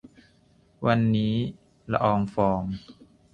วันนี้ ละอองฟอง